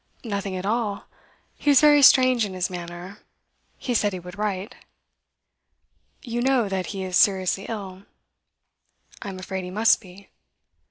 'Nothing at all. He was very strange in his manner. He said he would write.' 'You know that he is seriously ill?' 'I am afraid he must be.